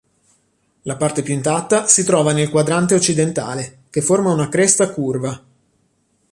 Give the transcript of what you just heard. La parte più intatta si trova nel quadrante occidentale, che forma una cresta curva.